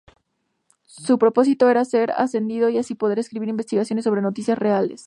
Su propósito era ser ascendido y así poder escribir investigaciones sobre "noticias reales".